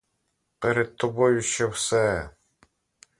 Перед тобою ще все.